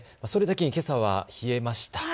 それだけけさは冷えました。